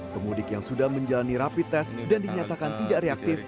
pemudik yang sudah menjalani rapi tes dan dinyatakan tidak reaktif